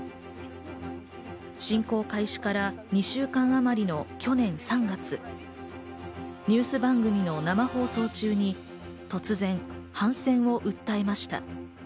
侵攻開始から２週間あまりの去年３月、ニュース番組の生放送中に突然、反戦を訴えました。